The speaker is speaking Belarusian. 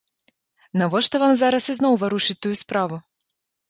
Навошта вам зараз ізноў варушыць тую справу?